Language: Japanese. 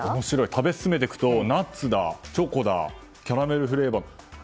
食べ進めていくとナッツだ、チョコだキャラメルフレーバー。